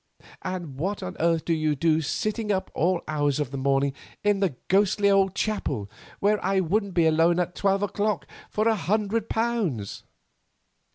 And what on earth do you do sitting up to all hours of the morning in that ghosty old chapel, where I wouldn't be alone at twelve o'clock for a hundred pounds?"